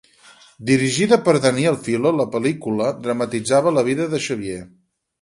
Dirigida per Daniel Filho, la pel·lícula dramatitzava la vida de Xavier.